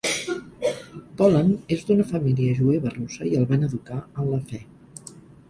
Pollan és d'una família jueva russa i el van educar en la fe.